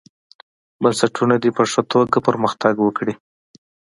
بنسټونه دې په ښه توګه پرمختګ وکړي.